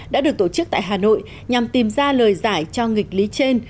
đã được tổ chức tại hà nội nhằm tìm ra lời giải cho nghịch lý trên